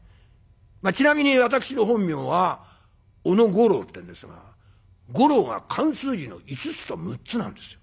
ちなみに私の本名は小野五六ってんですが「五六」が漢数字の五つと六つなんですよ。